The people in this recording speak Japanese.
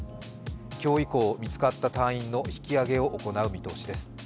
今日以降、見つかった隊員の引き揚げを行う予定です。